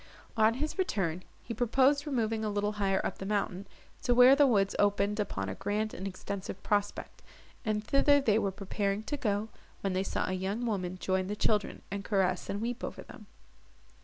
On his return, he proposed removing a little higher up the mountain, to where the woods opened upon a grand and extensive prospect; and thither they were preparing to go, when they saw a young woman join the children, and caress and weep over them.